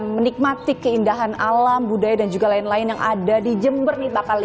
menikmati keindahan alam budaya dan juga lain lain yang ada di jember nih pak kali